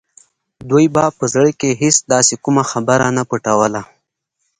دوی به په زړه کې هېڅ داسې کومه خبره نه وه پټوله